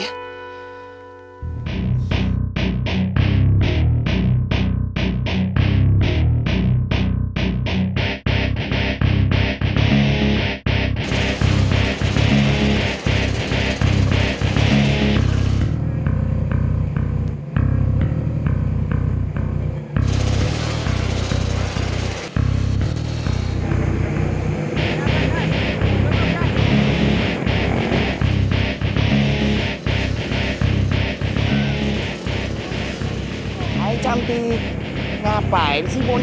yaudah deh kalau gitu